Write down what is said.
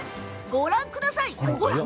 ご覧ください。